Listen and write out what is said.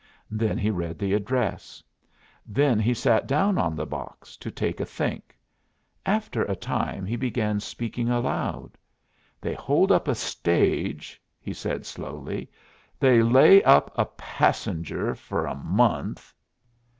Then he read the address. Then he sat down on the box to take a think. After a time he began speaking aloud. "They hold up a stage," he said, slowly. "They lay up a passenger fer a month.